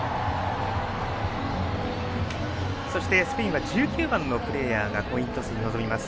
そして、スペインは１９番のプレーヤーがコイントスに臨みます。